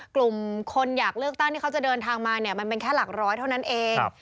กลุ่มคนอยากเลือกตั้งที่เขาจะเดินทางมาเนี่ยมันเป็นแค่หลักร้อยเท่านั้นเอง